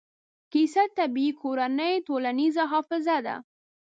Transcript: کیسه د طبعي کورنۍ ټولنیزه حافظه ده.